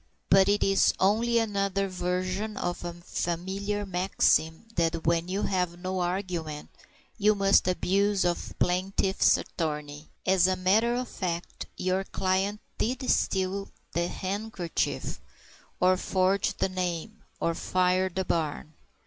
But it is only another version of a familiar maxim, that when you have no argument, you must abuse the plaintiff's attorney. As a matter of fact, your client did steal the handkerchief, or forge the name, or fire the barn.